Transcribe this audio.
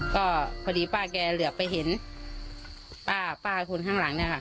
ก็พอดีป้าแกเหลือไปเห็นป้าป้าคนข้างหลังเนี่ยค่ะ